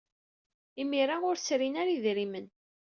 Imir-a, ur srin ara idrimen.